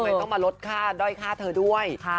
ต้องมาลดค่าด้อยค่าเธอด้วย